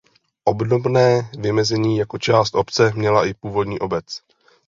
Obdobné vymezení jako část obce měla i původní obec.